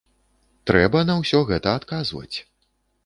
Трэба на ўсё гэта адказваць.